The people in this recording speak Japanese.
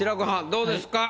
どうですか？